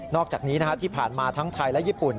อกจากนี้ที่ผ่านมาทั้งไทยและญี่ปุ่น